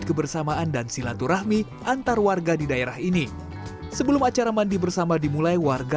kebersamaan dan silaturahmi antar warga di daerah ini sebelum acara mandi bersama dimulai warga